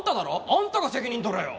あんたが責任取れよ。